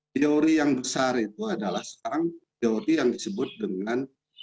teori yang besar itu adalah sekarang teori yang disebut dengan